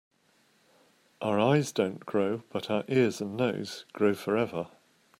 Our eyes don‘t grow, but our ears and nose grow forever.